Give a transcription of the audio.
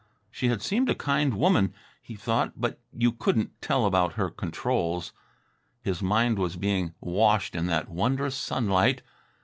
She had seemed a kind woman, he thought, but you couldn't tell about her controls. His mind was being washed in that wondrous sunlight.